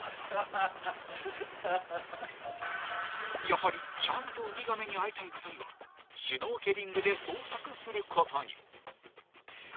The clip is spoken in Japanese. ［やはりちゃんとウミガメに会いたい２人はシュノーケリングで捜索することに］